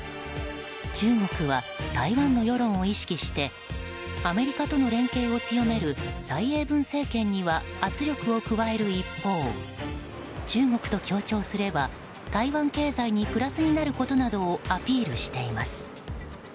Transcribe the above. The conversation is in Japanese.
中国は台湾の世論を意識してアメリカとの連携を強める蔡英文政権には圧力を加える一方中国と協調すれば、台湾経済にプラスになることなどをアピールしています。